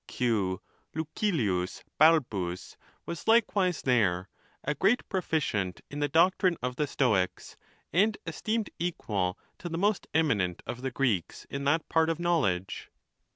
Q. Lu cilius Balbus was likewise there, a great proficient in the doctrine of the Stoics, and esteemed equal to the most em inent of the Greeks in that part of knowledge.